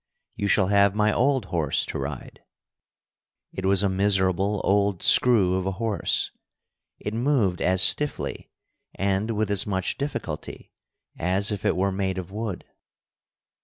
You shall have my old horse to ride." It was a miserable old screw of a horse. It moved as stiffly, and with as much difficulty, as if it were made of wood.